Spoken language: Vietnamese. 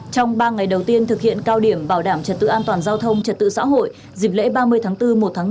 trong ba ngày đầu tiên thực hiện cao điểm bảo đảm trật tự an toàn giao thông trật tự xã hội dịp lễ ba mươi tháng bốn một tháng bốn